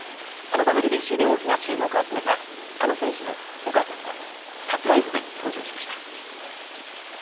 ＷＢＣで大きな注目を集めたあの選手のお母さんがサプライズで登場しました。